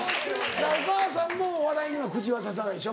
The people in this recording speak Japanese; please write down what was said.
お母さんもお笑いには口は出さないでしょ